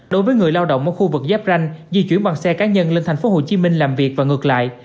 đối với người lao động ở khu vực giáp ranh di chuyển bằng xe cá nhân lên tp hcm làm việc và ngược lại